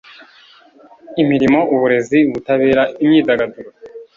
imirimo, uburezi, ubutabera, imyidagaduro